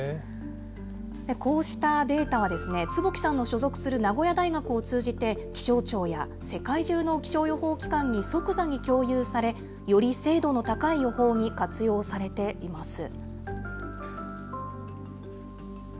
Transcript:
こうしたデータは、坪木さんの所属する名古屋大学を通じて、気象庁や世界中の気象予報機関に即座に共有され、より精度の高い予報に活用されています。